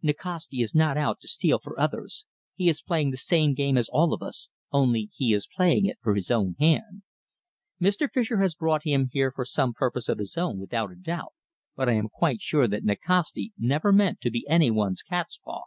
"Nikasti is not out to steal for others. He is playing the same game as all of us, only he is playing it for his own hand. Mr. Fischer has brought him here for some purpose of his own, without a doubt, but I am quite sure that Nikasti never meant to be any one's cat's paw."